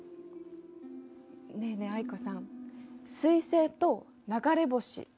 ねえねえ藍子さん彗星と流れ星は違うの？